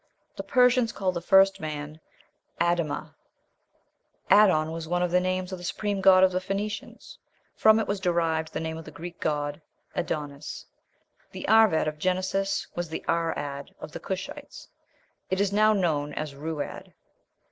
The Persians called the first man "Ad amah." "Adon" was one of the names of the Supreme God of the Phoenicians; from it was derived the name of the Greek god "Ad onis." The Arv ad of Genesis was the Ar Ad of the Cushites; it is now known as Ru Ad.